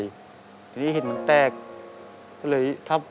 อเรนนี่ต้องมีวัคซีนตัวหนึ่งเพื่อที่จะช่วยดูแลพวกม้ามและก็ระบบในร่างกาย